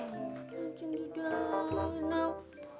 nih mancing di danau